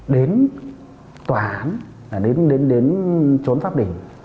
đến tòa án đến chốn pháp luật